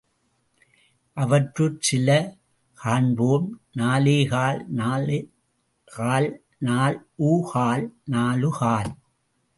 அவற்றுள் சில காண்போம் நாலேகால் நால் கால் நால் உ கால் நாலுகால்.